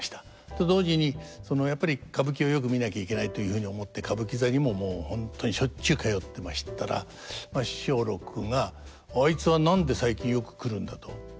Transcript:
と同時にやっぱり歌舞伎をよく見なきゃいけないというふうに思って歌舞伎座にももう本当にしょっちゅう通ってましたら松緑が「あいつは何で最近よく来るんだ」と。